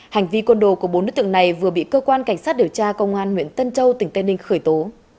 hành vi con đồ của bốn đứa tượng này vừa bị cơ quan cảnh sát điều tra công an nguyễn tân châu tỉnh tây ninh khởi tố